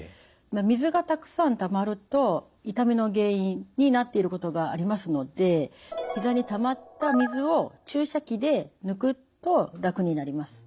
水がたくさんたまると痛みの原因になっていることがありますのでひざにたまった水を注射器で抜くと楽になります。